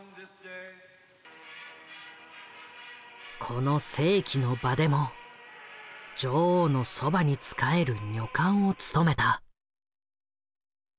この世紀の場でも女王のそばに仕える女官を務めた。